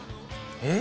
えっ。